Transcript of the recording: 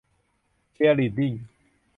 เชียร์ลีดดิ้ง